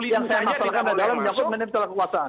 yang saya masalkan adalah menyangkut mengenai masalah kekuasaan